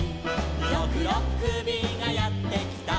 「ろくろっくびがやってきた」